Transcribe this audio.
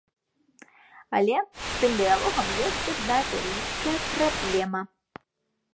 Але з тым дыялогам ёсць адна вялікая праблема.